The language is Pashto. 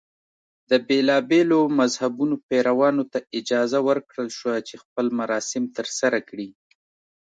د بېلابېلو مذهبونو پیروانو ته اجازه ورکړل شوه چې خپل مراسم ترسره کړي.